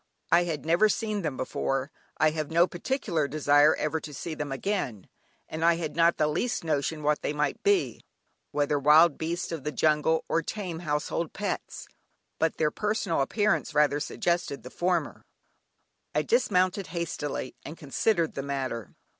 I had never seen them before (I have no particular desire ever to see them again) and I had not the least notion what they might be; whether wild beasts of the jungle or tame household pets, but their personal appearance rather suggested the former. I dismounted hastily, and considered the matter.